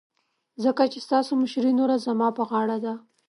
ځکه چې ستاسو مشرې نوره زما په غاړه ده.